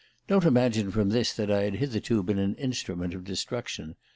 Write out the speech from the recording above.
Don't imagine from this that I had hitherto been an instrument of destruction.